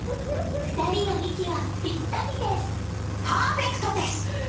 ２人の息はピッタリですパーフェクトです！